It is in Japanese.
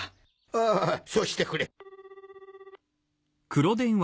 ああそうしてくれ。